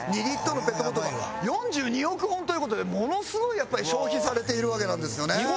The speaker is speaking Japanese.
２リットルのペットボトルは４２億本という事でものすごいやっぱり消費されているわけなんですよね。